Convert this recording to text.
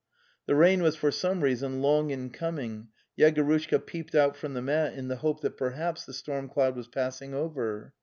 The rain was for some reason long in coming. Yegorushka peeped out from the mat in the hope that perhaps the storm cloud was passing over.